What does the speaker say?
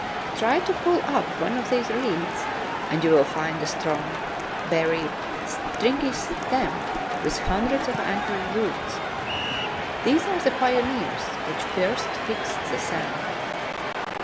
Try to pull up one of these reeds, and you will find a strong, buried, stringy stem, with hundreds of anchoring roots. These are the pioneers which first fix the sand.